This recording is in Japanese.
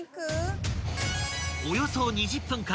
［およそ２０分間